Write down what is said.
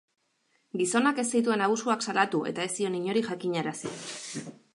Gizonak ez zituen abusuak salatu eta ez zion inori jakinarazi.